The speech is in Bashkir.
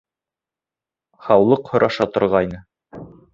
Һаулыҡ һораша торғайны.